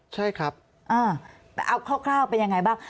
ใช่ครับเอาคร่าวไปยังไงบ้าง